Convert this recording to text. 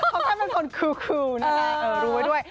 เขาแค่เป็นคนคูลนะคะเออรู้ไว้ด้วย